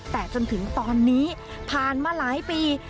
แต่จนถึงตอนนี้ผ่านมาหลายปี